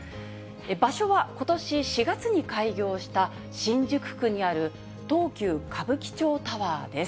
場所はことし４月に開業した、新宿区にある東急歌舞伎町タワーです。